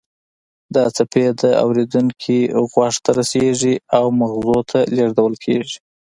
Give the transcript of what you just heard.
دا څپې د اوریدونکي غوږ ته رسیږي او مغزو ته لیږدول کیږي